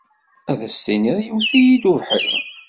Ad as-tiniḍ yewwet-iyi-d ubeḥri.